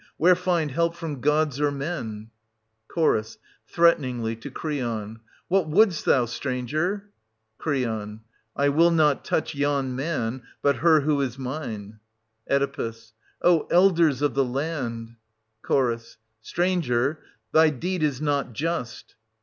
— where find help from gods or men ? Ch. (threateningly y to Creon). What wouldst thou, stranger ? Cr. I will not touch yon man, but her who is 830 mine. Oe. O, elders of the land ! Ch. Stranger, — thy deed is not just.